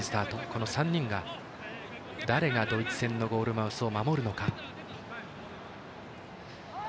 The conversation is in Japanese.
この３人が、誰がドイツ戦のゴールマウスを守るのか。